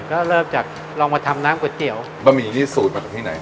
ก็เริ่มจากลองมาทำน้ำก๋วยเตี๋ยวบะหมี่นี่สูตรมาจากที่ไหน